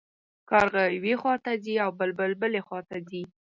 کارغه یوې خوا ته ځي او بلبل بلې خوا ته ځي.